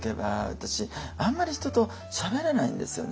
私あんまり人としゃべれないんですよね。